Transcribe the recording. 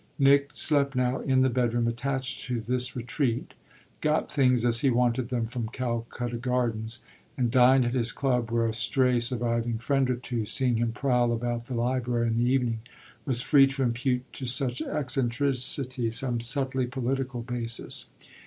Nick slept now in the bedroom attached to this retreat; got things, as he wanted them, from Calcutta Gardens; and dined at his club, where a stray surviving friend or two, seeing him prowl about the library in the evening, was free to impute to such eccentricity some subtly political basis.